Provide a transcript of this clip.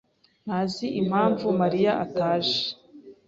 ntazi impamvu Mariya ataje.